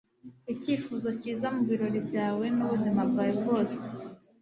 icyifuzo cyiza mubirori byawe n'ubuzima bwawe bwose